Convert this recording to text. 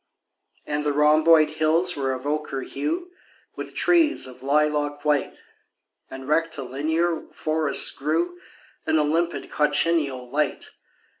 And the rhomboid hills were of ochre hue With trees of lilac white, And rectilinear forests grew In a limpid cochineal light.